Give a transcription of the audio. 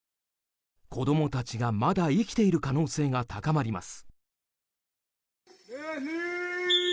子供たちが、まだ生きている可能性が高まります。